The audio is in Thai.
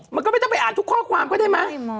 มันก็ไม่ต้องไปอ่านทุกข้อความก็ได้ไหม